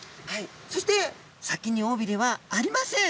そして先におびれはありません。